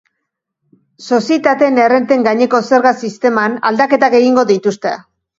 Sozietateen errenten gaineko zerga sisteman aldaketak egingo dituzte.